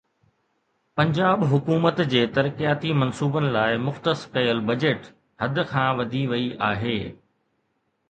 پنجاب حڪومت جي ترقياتي منصوبن لاءِ مختص ڪيل بجيٽ حد کان وڌي وئي آهي